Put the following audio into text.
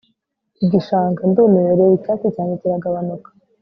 Igishanga Ndumiwe reba Icyatsi cyanjye kiragabanuka